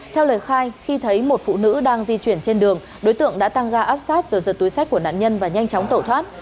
theo lời khai khi thấy một phụ nữ đang di chuyển trên đường đối tượng đã tăng ga áp sát rồi giật túi sách của nạn nhân và nhanh chóng tẩu thoát